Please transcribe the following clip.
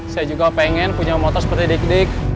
saya juga pengen punya motor seperti dik dik